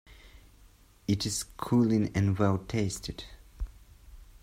It is cooling and well-tasted.